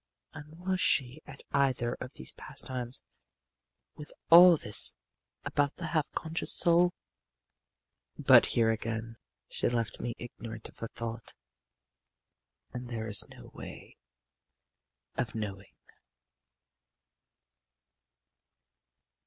And was she at either of these pastimes, with all this about a half conscious soul? But here again she left me ignorant of her thought, and there is no way of knowing.